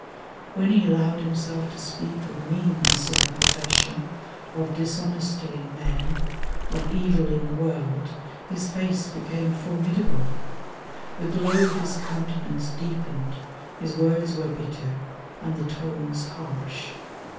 When he allowed himself to speak of meanness in the profession, of dishonesty in men, of evil in the world, his face became formidable. The glow of his countenance deepened; his words were bitter, and the tones harsh.